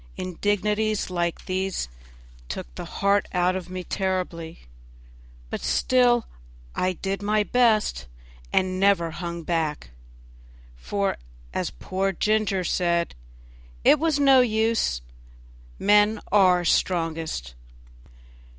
Indignities like these took the heart out of me terribly, but still I did my best and never hung back; for, as poor Ginger said, it was no use; men are the strongest.